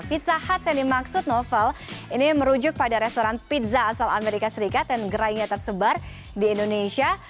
pizza huts yang dimaksud novel ini merujuk pada restoran pizza asal amerika serikat dan gerainya tersebar di indonesia